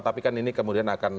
tapi kan ini kemudian akan